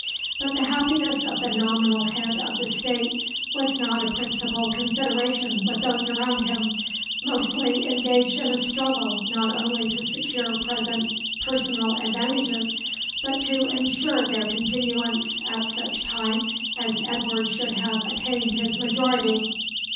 But the happiness of the nominal head of the State was not a principal consideration with those around him, mostly engaged in a struggle not only to secure present personal advantages, but to ensure their continuance at such time as Edward should have attained his majority.